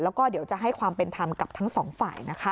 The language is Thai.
แล้วก็เดี๋ยวจะให้ความเป็นธรรมกับทั้งสองฝ่ายนะคะ